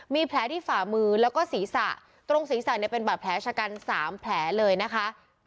มีแผลที่ฝ่ามือแล้วก็ศีรษะตรงศีรษะเนี่ยเป็นบาดแผลชะกัน๓แผลเลยนะคะ